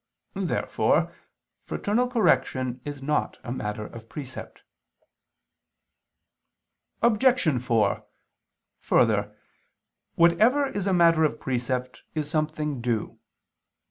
Therefore fraternal correction is not a matter of precept. Obj. 4: Further, whatever is a matter of precept is something due.